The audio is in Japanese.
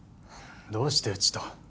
どうしてうちと？